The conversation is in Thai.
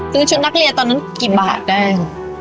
ชุดนักเรียนตอนนั้นกี่บาทแดง